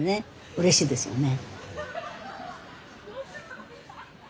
うれしいですよね。